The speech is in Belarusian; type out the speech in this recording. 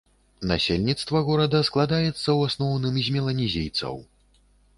Насельніцтва горада складаецца ў асноўным з меланезійцаў.